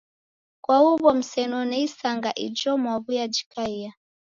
Kwa huw'o msenone isanga ijo mwaw'uyajikaia.